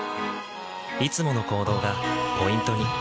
いつもの行動がポイントに。